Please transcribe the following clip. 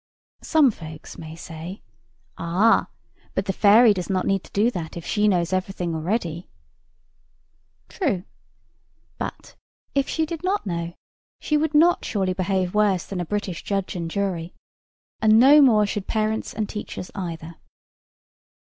Some folks may say, "Ah! but the Fairy does not need to do that if she knows everything already." True. But, if she did not know, she would not surely behave worse than a British judge and jury; and no more should parents and teachers either.